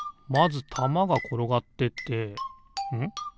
まずたまがころがってってん？